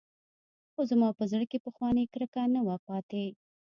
خو زما په زړه کښې پخوانۍ کرکه نه وه پاته.